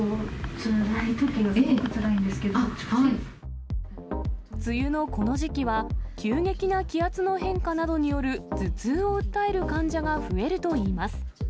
つらいときはすごくつらいん梅雨のこの時期は、急激な気圧の変化などによる頭痛を訴える患者が増えるといいます。